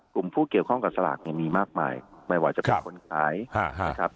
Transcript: ผู้เกี่ยวข้องกับสลากเนี่ยมีมากมายไม่ว่าจะเป็นคนขายนะครับ